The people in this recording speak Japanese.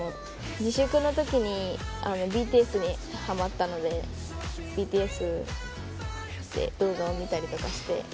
自粛のときにＢＴＳにはまったので、ＢＴＳで動画を見たりとかして。